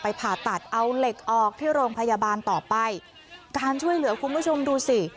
ผ่าตัดเอาเหล็กออกที่โรงพยาบาลต่อไปการช่วยเหลือคุณผู้ชมดูสิ